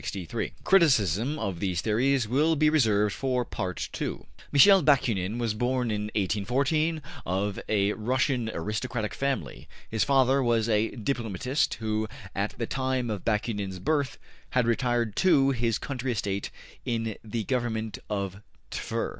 Criticism of these theories will be reserved for Part II. Michel Bakunin was born in 1814 of a Russian aristocratic family. His father was a diplomatist, who at the time of Bakunin's birth had retired to his country estate in the Government of Tver.